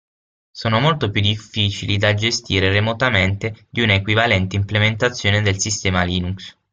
Sono molto più difficili da gestire remotamente di una equivalente implementazione del sistema Linux.